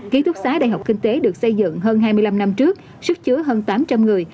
ký túc xá đại học kinh tế được xây dựng hơn hai mươi năm năm trước sức chứa hơn tám trăm linh người